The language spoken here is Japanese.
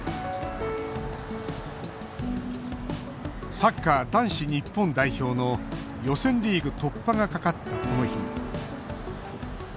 サッカー男子日本代表の予選リーグ突破がかかったこの日。